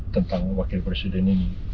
tentang wakil presiden ini